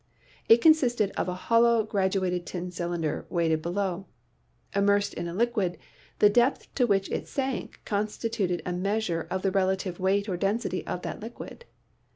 It consisted of a hollow,, graduated tin cylinder, weighted below. Immersed in a liquid, the depth to which it sank constituted a measure of the relative weight or density of that liquid.